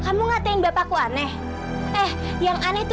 kamu ngatain bapak kok aneh